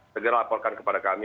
segera laporkan kepada kami